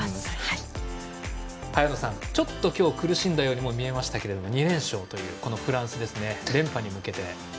早野さん、ちょっと今日苦しんだようにも見えましたが２連勝というフランスです連覇に向けて。